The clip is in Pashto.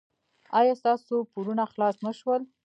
ایا ستاسو پورونه خلاص نه شول؟